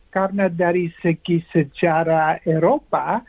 karena dari segi sejarah eropa